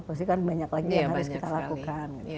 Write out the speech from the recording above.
mesti kan banyak lagi yang harus diharapkan